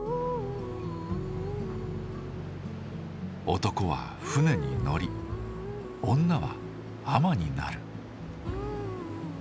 男は船に乗り女は海女になる。